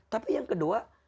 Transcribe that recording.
tapi yang kedua